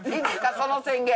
その宣言。